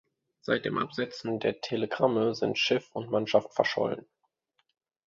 Seit dem Absetzen der Telegramme sind Schiff und Mannschaft verschollen.